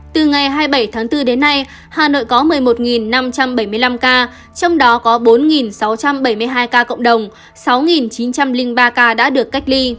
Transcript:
từ ngày hai mươi bảy tháng bốn đến nay hà nội có một mươi một năm trăm bảy mươi năm ca trong đó có bốn sáu trăm bảy mươi hai ca cộng đồng sáu chín trăm linh ba ca đã được cách ly